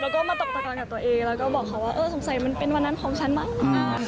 แล้วก็มาตกตะกอนกับตัวเองแล้วก็บอกเขาว่าเออสงสัยมันเป็นวันนั้นของฉันมั้ง